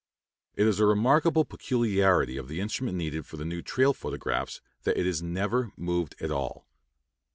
It is a remarkable peculiarity of the instrument needed for the new trail photographs that it is never moved at all.